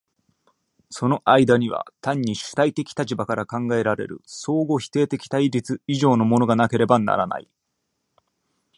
その間には単に主体的立場から考えられる相互否定的対立以上のものがなければならない。